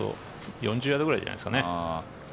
４０ヤードぐらいじゃないですかね。